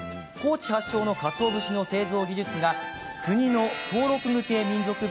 高知発祥のかつお節の製造技術が国の登録無形民俗